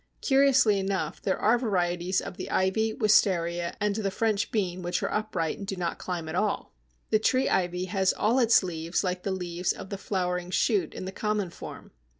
Curiously enough, there are varieties of the Ivy, Wistaria, and the French Bean which are upright, and do not climb at all. The Tree Ivy has all its leaves like the leaves of the flowering shoot in the common form.